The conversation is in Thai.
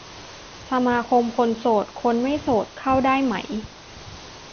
สมาคมคนโสด คนไม่โสดเข้าได้ไหม